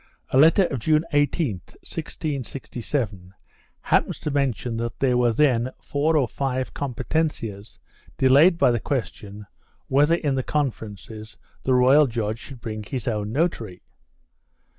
A letter of June 18, 1667, happens to mention that there were then four or five competencias delayed by the question whether in the conferences the royal judge should bring his own notary.